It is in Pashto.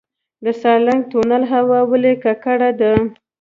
د سالنګ تونل هوا ولې ککړه ده؟